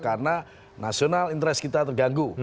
karena nasional interest kita terganggu